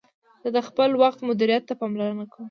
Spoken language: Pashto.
زه د خپل وخت مدیریت ته پاملرنه کوم.